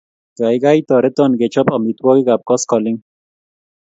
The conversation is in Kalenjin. Kaikai toreton kechop amitwogik ap koskoling'